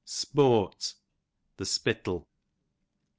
Spoat, the spittle.